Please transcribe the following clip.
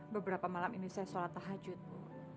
beberapa malam ini saya sholat tahajud bu